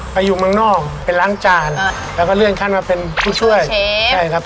ไปอยู่เมืองนอกไปล้างจานแล้วก็เลื่อนขั้นมาเป็นผู้ช่วยเชฟใช่ครับ